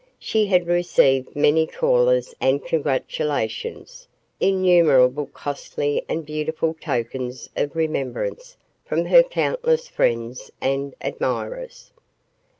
She had received many callers and congratulations, innumerable costly and beautiful tokens of remembrance from her countless friends and admirers.